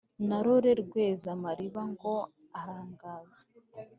narore rweza-mariba ngo aranganza,